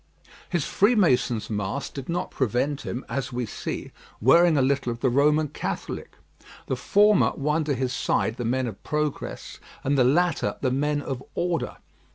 His freemason's mask did not prevent him, as we see, wearing a little of the Roman Catholic. The former won to his side the men of progress, and the latter the men of order.